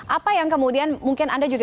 apa yang kemudian mungkin anda juga